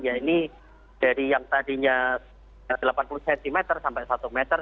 ya ini dari yang tadinya delapan puluh cm sampai satu meter